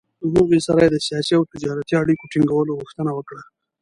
له هغوی سره یې د سیاسي او تجارتي اړیکو ټینګولو غوښتنه وکړه.